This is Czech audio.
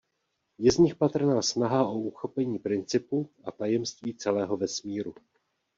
Je z nich patrná snaha o uchopení principu a tajemství celého vesmíru.